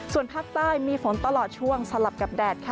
ส่วนภาคใต้มีฝนตลอดช่วงสลับกับแดดค่ะ